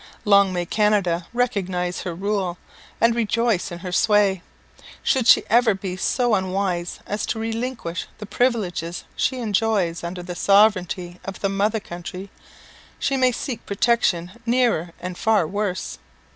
Long may Canada recognise her rule, and rejoice in her sway! Should she ever be so unwise as to relinquish the privileges she enjoys under the sovereignty of the mother country, she may seek protection nearer and _fare worse!